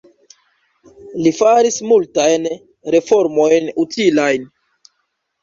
Li faris multajn reformojn utilajn.